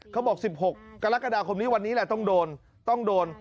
เขาบอก๑๖ษกรกฎาคมนี้ง่วงต้องโดน